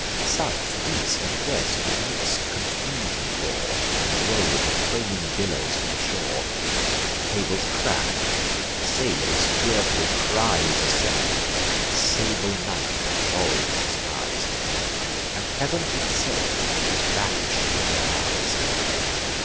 South, East, and West with mix'd confusion roar, And roll the foaming billows to the shore. The cables crack; the sailors' fearful cries Ascend; and sable night involves the skies; And heav'n itself is ravish'd from their eyes.